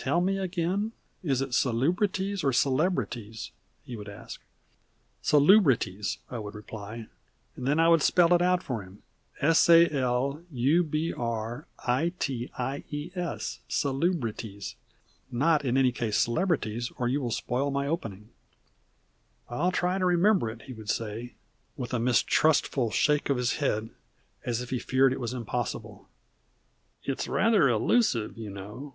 "Tell me again is it Salubrities or Celebrities?" he would ask. "Salubrities," I would reply. And then I would spell it out for him, "S A L U B R I T I E S, Salubrities. Not in any case Celebrities, or you will spoil my opening." "I'll try to remember it," he would say, with a mistrustful shake of his head as if he feared it was impossible. "It's rather elusive, you know."